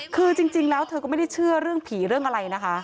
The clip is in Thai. คือจริงแล้วเธอก็ไม่ได้เชื่อเรื่องผีเรื่องอะไรนะคะ